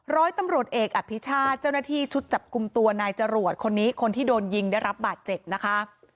ร้อยตำรวจเอกอภิชาติเจ้าหน้าที่ชุดจับกลุ่มตัวนายจรวดคนนี้คนที่โดนยิงได้รับบาดเจ็บนะคะ